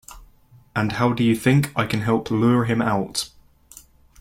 And how do you think I can help lure him out?